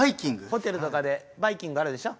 ホテルとかでバイキングあるでしょ？